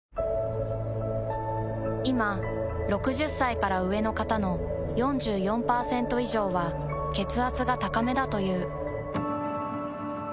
いま６０歳から上の方の４４％以上は血圧が高めだという。